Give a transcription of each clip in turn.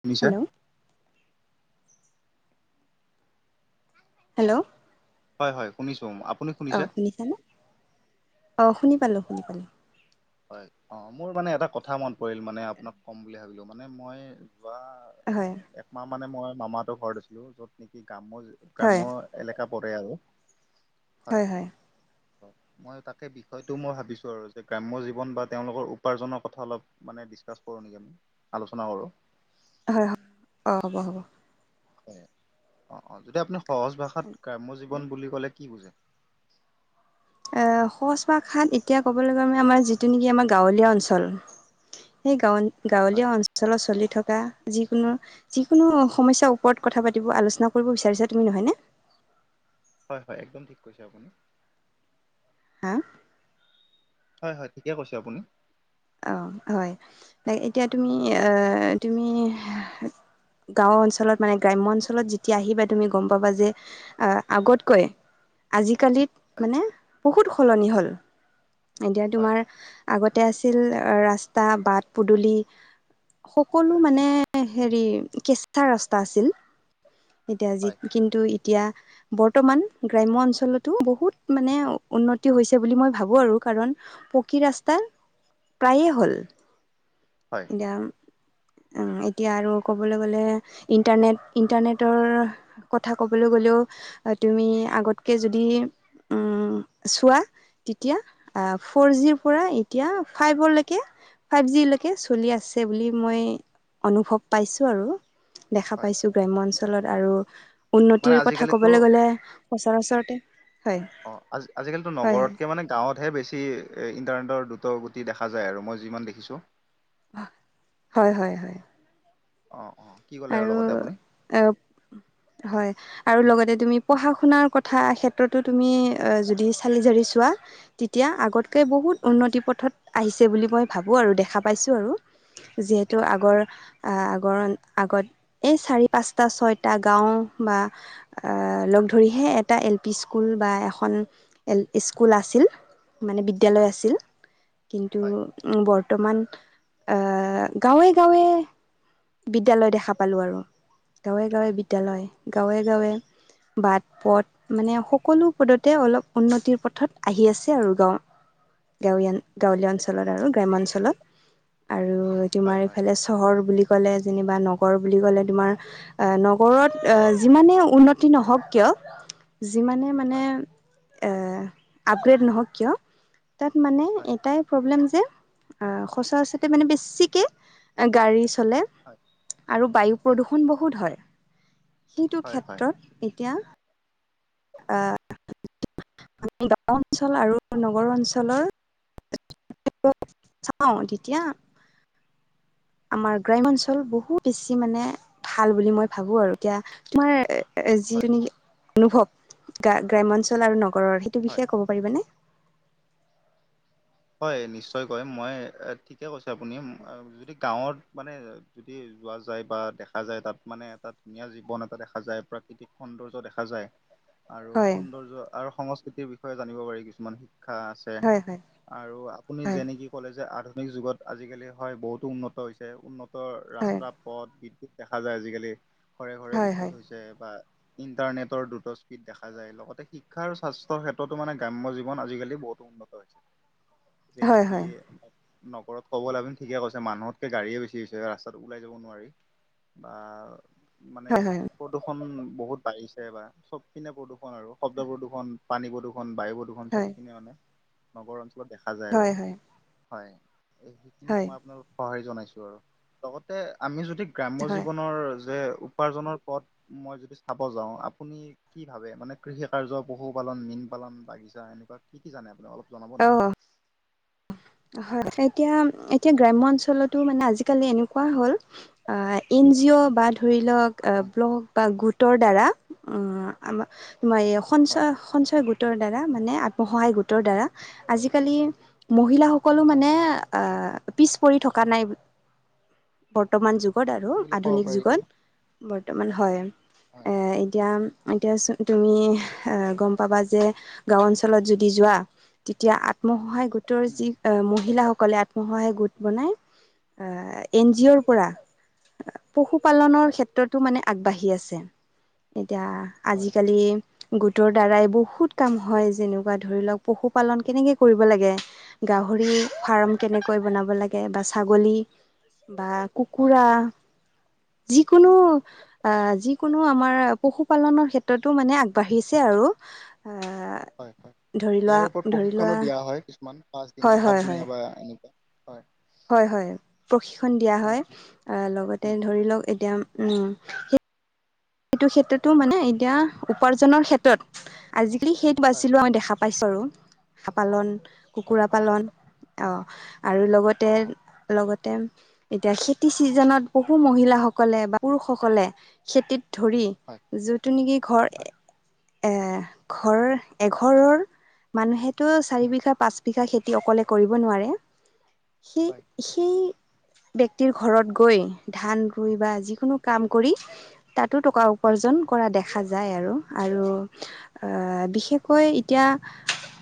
শুনিছা hello hello হয় হয় শুনিছো আপুনি শুনিছে? অঁ শুনিছানে অঁ শুনি পালোঁ শুনি পালোঁ। হয় অ মোৰ মানে এটা কথা মন পৰিল মানে আপোনাক কম বুলি ভাবিলো মানে মই যোৱা হয় একমাহ মানে মই মামা হতৰ ঘৰত আছিলো য'ত নেকি গ্ৰাম্য হয় গ্ৰাম্যৰ এলেকা পৰে আৰু হয় মই তাকে বিষয়টো মই ভাবিছো আৰু যে গ্ৰাম্য জীৱন জীৱন বা তেওঁলোকৰ উপাৰ্জনৰ কথা অলপ মানে ডিছকাছ কৰোঁ নেকি আমি আলোচনা কৰোঁ হয় হয় অঁ হ'ব হ'ব হয় অ অ যদি আপুনি সহজ ভাষাত গ্ৰাম্য জীৱন বুলি ক'লে কি বুজে? এ সহজ ভাষাত এতিয়া ক'বলৈ গ'লে ম আমাৰ যিটো নেকি আমাৰ গাঁৱলীয়া অঞ্চল সেই গাঁও হয় গাঁৱলীয়া অঞ্চলত চলি থকা যিকোনো যিকোনো সমস্যাৰ ওপৰত কথা পাতিব আলোচনা কৰিব বিচাৰিছা তুমি নহয়নে? হয় হয় একদম ঠিক কৈছে আপুনি হা হয় হয় ঠিকে কৈছে আপুনি অ হয় এতিয়া তুমি আহ তুমি গাঁও অঞ্চলত মানে গ্ৰাম্য অঞ্চলত যেতিয়া আহিবা তুমি গম পাবা যে আহ আগতকৈ আজিকালিত মানে বহুত সলনি হ'ল এতিয়া হয় তোমাৰ আগতে আ- ছিল ৰাস্তা বাট পদুলি সকলো মানে হেৰি কেঁচা ৰাস্তা আছিল, এতিয়া যি হয় কিন্তু এতিয়া বৰ্তমান গ্ৰাম্য অঞ্চলতো বহুত মানে উন্নতি হৈছে বুলি মই ভাবোঁ আৰু, কাৰণ পকী ৰাস্তাৰ প্ৰায়ে হ'ল। হয়। এয়াম এতিয়া আৰু ক'বলৈ গ'লে ইণ্টাৰনেট ইণ্টাৰনেটৰ কথা ক'বলৈ গ'লেও তুমি আগতকৈ যদি উম চোৱা। তেতিয়া আহ হয় ফৰ জিৰ পৰা এতিয়া ফাইভলৈকে ফাইভ জি লৈকে চলি আছে বুলি মই অনুভৱ পাইছোঁ আৰু। দেখা হয় পাইছো গ্ৰাম্য অঞ্চলত আৰু মানে উন্নতিৰ কথা আজিকালিতো কবলৈ গলে সচৰাচৰতে হয় অঁ, আজি আজিকালিতো হয় হয় নগৰতকে মানে গাঁৱতহে বেছি ইণ্টাৰনেটৰ দ্ৰুত গতি দেখা যায় আৰু মই যিমান দেখিছোঁ। হয় হয় হয়। অঁ অঁ আৰু অঁ হয়। আৰু লগতে তুমি পঢ়া শুনাৰ কথা ক্ষেত্ৰতো তুমি অঁ যদি চালি জাৰি চোৱা। তেতিয়া আগতকৈ বহুত হয় উন্নতি পথত আহিছে বুলি মই ভাবোঁ আৰু দেখা পাইছোঁ আৰু। যিহেতু হয় আগৰ আগৰ আগত এই চাৰি পাঁচটা ছয়টা গাঁও বা লগ ধৰিহে এটা এলপি স্কুল বা এখন এল স্কুল আছিল মানে বিদ্যালয় হয় আছিল, কিন্তু হয় উম বৰ্তমান অঁ গাঁৱে গাঁৱে বিদ্যালয় দেখা পালোঁ আৰু, গাঁৱে হয় গাঁৱে বিদ্যালয় গাঁৱে গাঁৱে বাট পথ মানে সকলো পদতে অলপ উন্নতিৰ পথত আহি আছে আৰু গাঁও, গাঁওৰিয়ান হয় গাঁৱলীয়া এক অঞ্চলত আৰু গ্ৰাম্য অঞ্চলত, আৰু হয় তোমাৰ হয় এইফালে চহৰ বুলি ক'লে যেনিবা নগৰ বুলি ক'লে তোমাৰ অহঁ নগৰত যিমানে উন্নতি নহওক কিয়? যিমানে মানে হয় এই আপগ্ৰেড নহওক কিয় তাত মানে হয় এটাই প্ৰব্লেম যে, অহঁ সচৰাচৰতে মানে বেছিকে গাড়ী চলে। হয়। আৰু বায়ু প্ৰদূষণ বহুত হয়, সেইটো হয় হয় হয় ক্ষেত্ৰত এতিয়া আ আমি গাঁও অঞ্চল আৰু নগৰ অঞ্চলৰ [inaudible] আমাৰ গ্ৰাম্য অঞ্চল বহুত বেছি মানে ভাল বুলি মই ভাবো আৰু এতিয়া তোমাৰ এই হয় যিটো নেকি অনুভৱ গ্ৰাম্য গ্ৰাম্যঞ্চল আৰু নগৰৰ সেইটো হয় বিষয়ে ক'ব পাৰিবানে? হয় নিশ্চয়কয় মই ঠিকে কৈছে, আপুনি যদি গাঁৱত মানে যদি যোৱা যায় বা দেখা যায় তাত মানে এটা ধুনীয়া জীৱন এটা দেখা যায়। প্ৰাকৃতিক সৌন্দৰ্য দেখা যায়। আৰু হয় সৌন্দৰ্য আৰু সংস্কৃতিৰ বিষয়ে জানিব পাৰি কিছুমান শিক্ষা আছে। হয় হয়। আৰু আপুনি হয় যেনেকি ক'লে যে আধুনিক যুগত আজিকালি হয় বহুতো উন্নত হৈছে, উন্নত ৰ হয় ৰাস্তা পথ বিদ্যুত দেখা যায় আজিকালি, ঘৰে ঘৰে হয় বিদ্যুত হয় হৈছে বা ইণ্টাৰনেটৰ দ্ৰুত স্পীড দেখা যায়, লগতে শিক্ষা আৰু স্বাস্থ্যৰ ক্ষেত্ৰতো মানে গ্ৰাম্য জীৱন আজিকালি বহুতো উন্নত হৈছে। যিয়ে হয় নেকি হয় নগৰত ক'বলৈ আপুনি ঠিকে কৈছে, মনুহতকে গাড়ীয়ে বেছি হৈছে ৰাস্তাত উলাই যাব নোৱাৰি। বা মানে হয় হয় প্ৰদূষণ বহুত বাঢ়িছে বা চবপিনে প্ৰদুৰ্ষণ আৰু শব্দ প্ৰদুৰ্ষণ, পানী প্ৰদুৰ্ষন, বায়ু প্ৰদূ ষণ চব হয় পিনে মানে নগৰ অঞ্চলত দেখা যায় আৰু, হয় হয় হয় এই হয় খিনিক হয় মই আপোনালোক সহাৰি জনাইছো আৰু, লগতে আমি যদি হয় গ্ৰাম্য হয় জীৱনৰ যে উ পাৰ্জনৰ পথ মই যদি চাব যাওঁ, আপুনি কি ভাবে মানে কৃষি কাৰ্য পশুপালন, মীন পালন, বাগিচা এনেকুৱা কি কি জানে আপুনি অলপ জনাব অ নেকি? হয় এতিয়া এতিয়া গ্ৰাম্য অঞ্চলতো মানে আজিকালি এনেকুৱা হ'ল অ' এন জি অ' বা ধৰি লওক ব্লগ বা গোটৰ হয় দ্বাৰাসঞ্চাই গোট [inaudible] গোটৰ দ্বাৰা মানে আত্মসহায় গোটৰ দ্বাৰা আজিকালি মহিলাাসকলো হয় মানে। পিছ পৰি থকা নাই। বৰ্তমান যুগত আৰু বুলি ক'ব আধুনিক পাৰি আৰু যুগত বৰ্তমান হয় হয় এ এতিয়া। এতিয়া তুমি গম পাবা যে গাঁও অঞ্চলত যদি যোৱা। তেতিয়া আত্মসহায় টো উম, যি পাই মহিলাসকলে আত্মসহায়ক গোট বনাই আহ এন জি অ'ৰ হয় পৰা পশুপালনৰ হয় ক্ষেত্ৰতো মানে আগবাঢ়ি আছে। এতিয়া হয় আজিকালি গোটৰ দ্বাৰাই বহুত কাম হয় যেনেকুৱা ধৰি লওক পশুপালন কেনেকৈ কৰিব লাগে। গাহৰি ফাৰ্ম হয় কেনেকৈ বনাব লাগে? বা ছাগলী বা হয় কুকুৰা যিকোনো আহ যিকোনো আমাৰ পশুপালনৰ ক্ষেত্ৰতো মানে আগবাঢ়িছে আৰু অহ, ' হয়, হয় ইয়াৰে ওপৰত প্ৰশিক্ষণো দিয়া হয় কিছুমান হয় পাঁচদিনীয়া, হয় হয় সাতদিনীয়া বা এনেকুৱা হয় হয় হয় প্ৰশিক্ষণ দিয়া হয় আহ, ' লগতে হয় ধৰি লওক এতিয়া উম সেইটো ক্ষেত্ৰতো মানে এতিয়া উপাৰ্জনৰ ক্ষেত্ৰত আজিকালি সেইটো বাছি লোৱা আমি দেখা পাওঁ। পাইছোঁ আৰু হাঁহ পালন, হয় কুকুৰা হয় পালন অ, ' আৰু লগত তে অ লগতে এতিয়া খেতি ছিজনত বহু মহিলাসকলে বা পুৰুষসকলে খেতিত ধৰি হয় জোনটো নেকি ঘৰ হয় এ ঘৰ এঘৰৰ মানুহেতো চাৰি উম, বিঘা পাঁচ বিঘা খেতি অকলে কৰিব নোৱাৰে সেই- হয় সেই ব্যক্তিৰ ঘৰত গৈ ধান ৰুই বা যিকোনো কাম কৰি তাতো টকা হয় উপাৰ্জন কৰা দেখা দেখা যায় আৰু আৰু বিশেষকৈ এতিয়া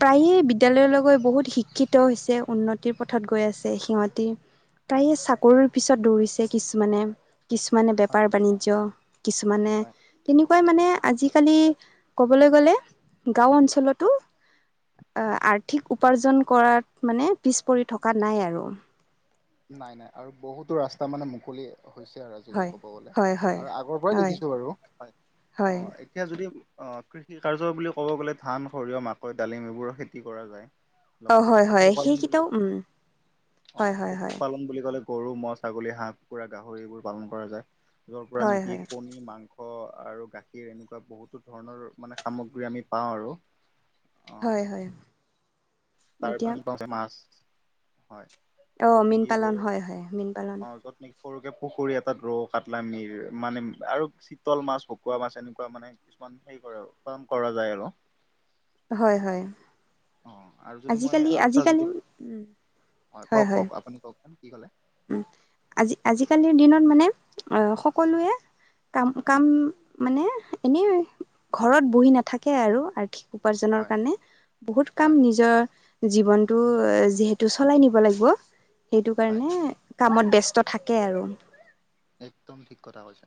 প্ৰায়ে বিদ্যালয় গৈ বহুত শিক্ষিত হৈছে উন্নতিৰ পথত গৈ আছে সিহঁতি। প্ৰায়ে চাকৰিৰ পিছত দৌৰিছে কিছুমানে। কিছুমানে হয় বেপাৰ বাণিজ্য কিছুমানে হয় তেনেকুৱা মানে আজিকালি ক'বলৈ গ'লে গাঁও অঞ্চলতো আৰ্থিক উপাৰ্জন কৰাত মানে পিছ পৰি থকা নাই আৰু। নাই নাই আৰু বহুতো ৰাস্তা মানে মুকলিয়ে হৈছে আৰু আজি বুলি হয় ক'ব গ'লে হয় আৰু আগৰ পৰাই হয় দেখিছো বাৰু হয় অ হয় এতিয়া যদি অ, 'কৃষি কাৰ্য বুলি ক'ব গ'লে ধান, সৰিয়হ, মাকৈ, ডালিম এইবোৰৰ খেতি কৰা যায়। অ লগতে হয় হয় পশুপালন বুলি সেইকেইটাও উম অ হয় পালন বুলি ক'লে গৰু, ম' হ, ছাগলী, হাঁহ, কুকুৰাৰ, গাহৰি এইবোৰ পালন কৰা যায়। যৰ পৰা হয় নেকি হয় কণী মাংস আৰু, গাখীৰ এনেকুৱা বহুতো ধৰণৰ মানে সামগ্ৰী আমি পাওঁ আৰু। অ হয় হয়। তাৰ এতিয়া মাছ হয়। [inaudible] অ য'ত মীন নেকি ৰৌ পালন হয় হয় মীন পালন অ' য'ত নেকি সৰুকে পুখুৰী এটাত ৰৌ, কাটলা মিৰ মানে আৰু চিতল মাছ, ভকুৱা মাছ এনেকুৱা মানে কিছুমান হেৰি কৰে আৰু কাম কৰা যায় আৰু। হয়' হয়'। অ' আৰু যদি মই আজিকালি আৰু এটা আজিকালি যদি, হয়' কওঁক কওঁক আপুনি কওঁকচোন কি ক'লে? উম' আজি-আজিকালিৰ দিনত মানে অহ' সকলোৱে কাম, কাম মানে এনেই আৰু ঘৰত বহি নাথাকে আৰু আথি উপাৰ্জনৰ হয় কাৰণে, বহুত কাম হয় নিজৰ জীৱনটো এ যিহেতু চলাই নিব লাগব। সেইটো হয় কাৰণে কামত ব্যস্ত থাকে আৰু। একদম ঠিক কথা কৈছে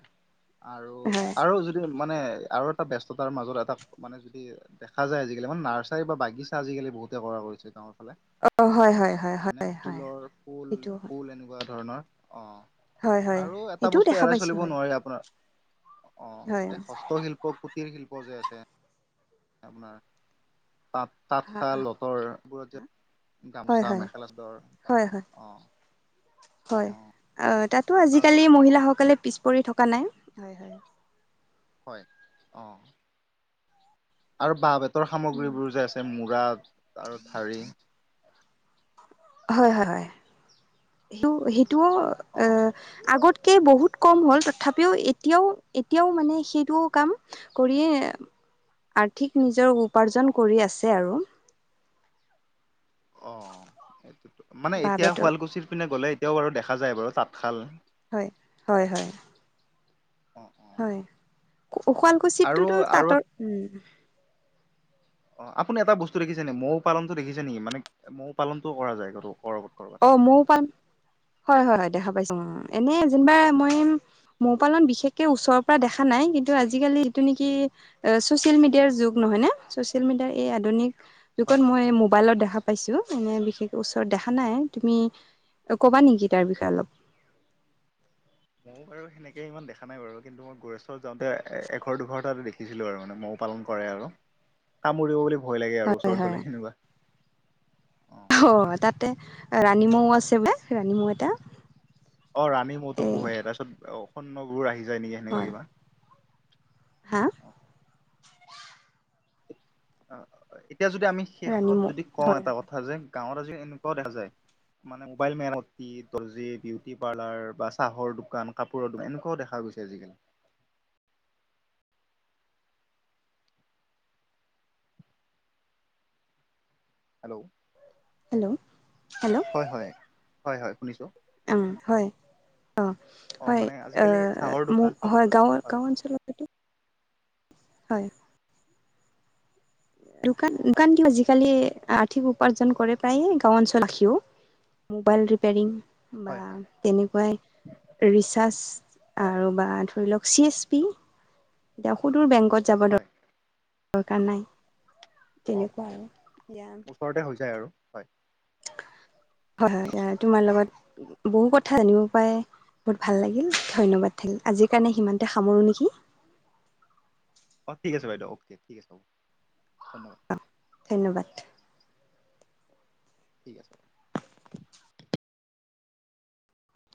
আৰু হয় আৰু যদি মানে আৰু এটা ব্যস্ততাৰ মাজত এটা মানে যদি দেখা যায় আজিকালি মানে নাৰ্চাৰী বা বাগিচা আজিকালি বহুতে কৰা কৰিছে গাঁৱৰ ফালে। অ', হয় হয় হয় মানে হয় হয় ফুলৰ, সেইটো ফুল-ফুল এনেকুৱা ধৰণৰ অঁ। হয় হয় আৰু এটা সেইটোও বস্তু দেখা এৰাই চলিব পাইছোঁ হয় নোৱাৰি আপোনাৰ অ' হয় এই হস্তশিল্পক কুটিৰ শিল্প যে আছে আপোনাৰ তাত- হয় তাঁতশাল, যঁতৰ এইবোৰত যে গামোচা, হয় মেখেলা-চাদৰ হয় হয় অঁ। হয়', তাতো আৰু আজিকালি মহিলাসকলে পিছ পৰি থকা নাই। হয়' হয়'। হয়, অঁ। আৰু বাঁহ- বেতৰ সামগ্ৰীবোৰ যে আছে মূৰা আৰু ধাৰি। হয় হয় হয়, সেইটো সেইটোও এ অহ', আগতকে বহুত কম হ'ল। তথাপিও এতিয়াও এতিয়াও মানে সেইটো কাম কৰিয়ে, আৰ্থিক নিজৰ উপাৰ্জন কৰি আছে আৰু। অঁ, সেইটোতো মানে বাঁহ এতিয়া বেতৰ শুৱালকুছিৰ পিনে গ'লে এতিয়াও বাৰু দেখা যায় বাৰু তাঁতশাল। হয়' হয়' হয়'। অহ-অহ', হয়' শুৱালকুছিতটোতো আৰু অ তাঁতৰ, উমঁ। অ' আপুনি এটা বস্তু দেখিছে নেকি? মৌ পালনটো দেখিছে নেকি? মানে মৌ পালনটো কৰা যায় ক'ৰবাত ক'ৰবাত। অ' মৈ পালন, হয়' হয়'দেখা পাইছোঁ উমঁ, এনেই যেনিবা মই মৌ পালন বিশেষকে ওচৰৰ পৰা দেখা নাই কিন্তু আজিকালি যিটো নেকি- এ ছ'চিয়েল মিডিয়াৰ যুগ নহয় নে? ছ'চিয়েল মিডিয়াৰ এই আধুনিক যুগত হয় মই মোবাইলত দেখা পাইছোঁ। এনেই বিশেষ ওচৰত দেখা নাই। তুমি ক'বা নেকি তাৰ বিষয়ে অলপ? মই বাৰু সেনেকে ইমান দেখা নাই বাৰু, কিন্তু মই গোৰেশ্বৰত যাওঁতে এঘৰ দুঘৰটা দেখি দেখিলো আৰু মানে মৌ পালন কৰে আৰু কামুৰিব বুলি ভয় লাগে আৰু হয়' ওচৰত হয়। গ'লে সেনেকুৱা অহ' তাতে ৰাণী মৌ আছিলে। ৰাণী মৌ এটা। অহ' ৰাণী মৌটো এ পোহে, তাৰপিছত সৈন্যবোৰ আহি যাই নেকি সেনেকুৱা হয় কিবা। হা? অ' এতিয়া যদি আমি ৰাণী শেষত মৌ যদি কওঁ হয় এটা কথা যে গাঁৱত আজি এনেকুৱাও দেখা যায়- মানে মোবাইল মেৰামতি, দৰ্জি, বিউটি পাৰ্লাৰ বা চাহৰ -দোকান, কাপোৰ দোকান এনেকুৱাও দেখা গৈছে আজিকালি। হেল্ল'। হেল্ল'-হেল্ল'। হয়' হয়' হয়' হয়' শুনিছোঁ। উম' হয়। অ অ হয় মানে এ আজিকালি চাহৰ দোকান মোক কাপোৰ হয় গাঁৱৰ হয় গাওঁ অঞ্চলত হয় দোকান অ দোকানটো আজিকালি সঠিক উপাৰ্জন কৰে প্ৰায়ে গাঁও অঞ্চল ৰাখিও মোবাইল ৰিপেয়াৰিং বা হয় হয় তেনেকুৱাই ৰিচাৰ্জ আৰু বা ধৰি লওক চি এছ পি দিয়া সুদুৰ বেংকত যাব হয় দৰকাৰ নাই অ তেনেকুৱা অ আৰু এয়া ওচৰতে হৈ যায় আৰু হয় হয় হয় তোমাৰ লগত বহু কথা জানিব পাৰে বহুত ভাল লাগিল ধন্যবাদ থাকিল আজিৰ কাৰণে সিমানতে সামৰো নেকি অ ঠিক আছে বাইদেউ অ'কে ঠিক আছে হ'ব ধন্যবাদ ধন্যবাদ। ঠিক আছে বাৰু